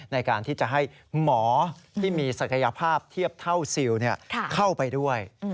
ในการที่จะให้หมอที่มีศักยภาพเทียบเท่าซิลเข้าไปด้วย